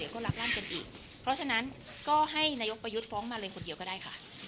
ก็ต้องให้นายกประยุทธฟ้องมาเลยคนเดียวก็ได้ค่ะ